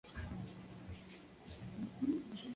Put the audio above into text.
Puede darse un súbito fallo respiratorio en etapas terminales.